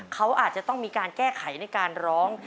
เขาอาจจะต้องมีการแก้ไขในการร้อง